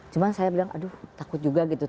cuma saya bilang aduh takut juga gitu